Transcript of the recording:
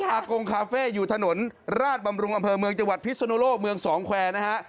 อากงคาเฟ่อยู่ถนนราชบำรุงอำเภอเมืองจังหวัดพิศนุโลกเมืองสองแควร์นะฮะ